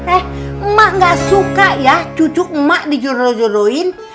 eh emak gak suka ya cucuk emak dijodohin